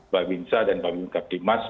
pak bin shah dan pak bin kapdi mas